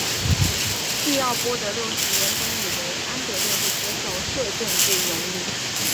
利奥波德六世原本以为安德烈会接受摄政这荣誉。